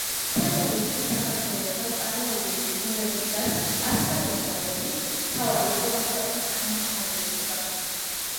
თემურ-ლენგი საქართველოსთან წარმოებული ბრძოლებისას აცხადებდა რომ მისთვის მთავარი იყო ამ ქვეყნის გამაჰმადიანება.